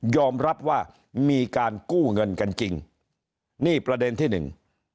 รับว่ามีการกู้เงินกันจริงนี่ประเด็นที่หนึ่ง